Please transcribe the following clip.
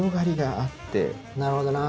なるほどな。